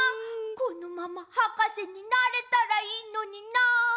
このままはかせになれたらいいのにな！